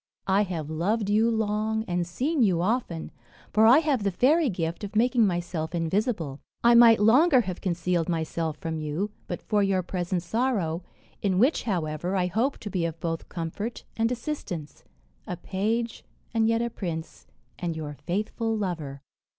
I have loved you long, and seen you often, for I have the fairy gift of making myself invisible. I might longer have concealed myself from you, but for your present sorrow, in which, however, I hope to be of both comfort and assistance a page and yet a prince, and your faithful lover."